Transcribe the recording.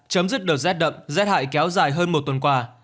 chấm dứt đợt rét đậm rét hại kéo dài hơn một tuần qua